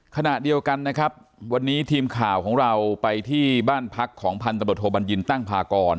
ขณะเดียวกันนะครับวันนี้ทีมข่าวของเราไปที่บ้านพักของพันธบทโทบัญญินตั้งพากร